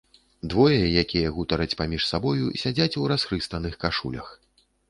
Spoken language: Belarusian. Двое, якія гутараць між сабою, сядзяць у расхрыстаных кашулях.